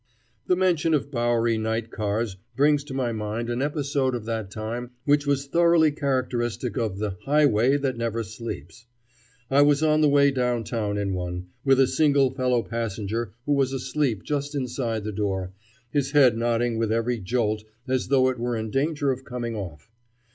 The mention of Bowery night cars brings to my mind an episode of that time which was thoroughly characteristic of the "highway that never sleeps." I was on the way down town in one, with a single fellow passenger who was asleep just inside the door, his head nodding with every jolt as though it were in danger of coming off.